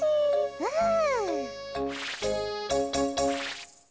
うん。